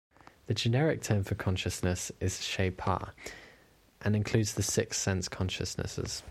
The generic term for consciousness is "shes pa", and includes the six sense consciousnesses.